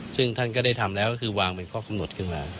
ซึ่งท่านก็ได้ทำแล้วก็คือวางเป็นข้อกำหนดขึ้นมา